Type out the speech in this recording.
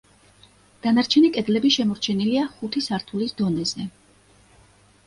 დანარჩენი კედლები შემორჩენილია ხუთი სართულის დონეზე.